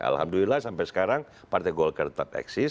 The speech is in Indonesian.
alhamdulillah sampai sekarang partai golkar tetap eksis